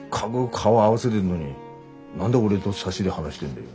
顔合わせでんのに何で俺とサシで話してんだよ。